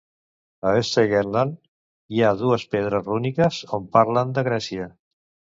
A Östergötland hi ha dues pedres rúniques on parlen de Grècia.